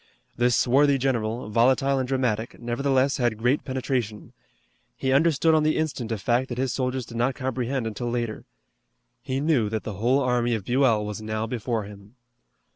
This swarthy general, volatile and dramatic, nevertheless had great penetration. He understood on the instant a fact that his soldiers did not comprehend until later. He knew that the whole army of Buell was now before him.